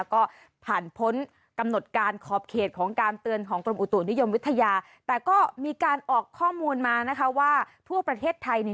ก็ผ่านพ้นกำหนดการขอบเขตของการเตือนของกรมอุตุนิยมวิทยาแต่ก็มีการออกข้อมูลมานะคะว่าทั่วประเทศไทยเนี่ย